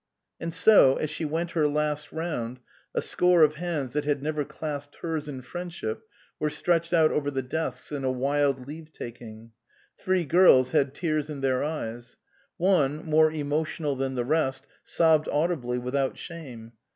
And so, as she went her last round, a score of hands that had never clasped hers in friendship were stretched out over the desks in a wild leave taking ; three girls had tears in their eyes ; one, more emotional than the rest, sobbed audibly without shame.